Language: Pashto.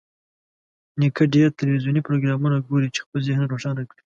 نیکه ډېر تلویزیوني پروګرامونه ګوري چې خپل ذهن روښانه کړي.